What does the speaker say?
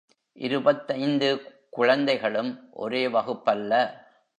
இருபத்தைந்து குழந்தைகளும் ஒரே வகுப்பல்ல.